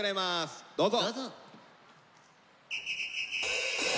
どうぞ！